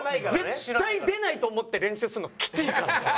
絶対出ないと思って練習するのきついから。